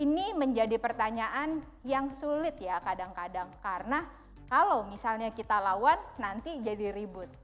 ini menjadi pertanyaan yang sulit ya kadang kadang karena kalau misalnya kita lawan nanti jadi ribut